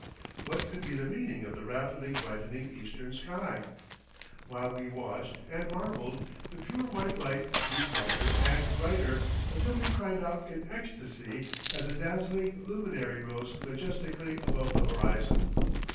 What could be the meaning of the rapidly brightening eastern sky? While we watched and marveled, the pure white light grew brighter and brighter, until we cried out in ecstasy as a dazzling luminary rose majestically above the horizon.